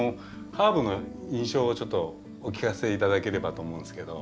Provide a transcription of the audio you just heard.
ハーブの印象をちょっとお聞かせ頂ければと思うんですけど。